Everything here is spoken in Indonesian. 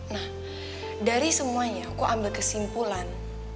nah dari semuanya aku ambil kesimpulan